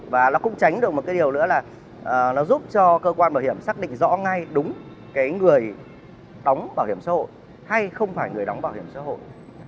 và nó cũng tránh được một cái điều nữa là nó giúp cho cơ quan bảo hiểm xác định rõ ngay đúng cái người đóng bảo hiểm xã hội hay không phải người đóng bảo hiểm xã hội